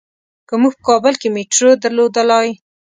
که مونږ په کابل کې میټرو درلودلای.